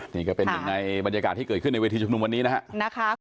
นี่ก็เป็นหนึ่งในบรรยากาศที่เกิดขึ้นในเวทีชุมนุมวันนี้นะครับ